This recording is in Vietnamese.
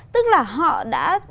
tức là họ đã